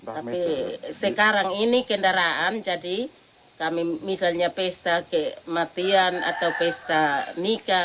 tapi sekarang ini kendaraan jadi kami misalnya pesta kematian atau pesta nikah